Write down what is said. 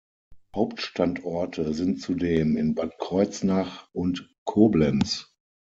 Hauptstandorte sind zudem in Bad Kreuznach und Koblenz.